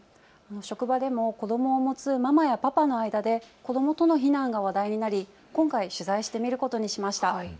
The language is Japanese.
職場でも、子どもを持つママやパパの間で子どもとの避難が話題になり、今回取材してみることにしました。